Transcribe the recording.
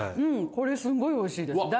これすごいおいしいです。